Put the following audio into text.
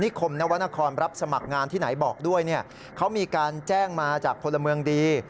คมนวรรณครรับสมัครงานที่ไหนบอกด้วยเนี่ยเขามีการแจ้งมาจากพลเมืองดี